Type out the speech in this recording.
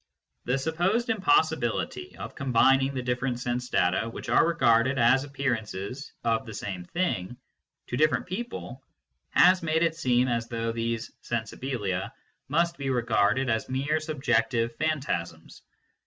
The supposed impossibility of combining the different sense data which are regarded as appearances of the same " thing " to different people has made it seem as though these " sensibilia " must be regarded as mere subjective phantasms.